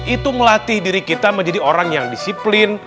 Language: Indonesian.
itu melatih diri kita menjadi orang yang disiplin